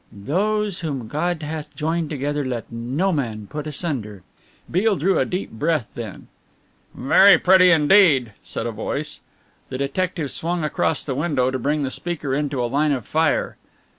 "Those whom God hath joined together let no man put asunder." Beale drew a deep breath then: "Very pretty indeed," said a voice. The detective swung across the window to bring the speaker into a line of fire.